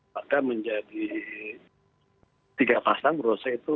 maka menjadi tiga pasang berose itu